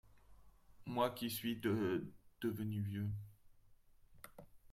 Moi qui suit de devenu vieux…